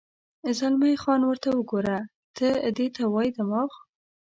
زلمی خان: ورته وګوره، دې ته وایي دماغ.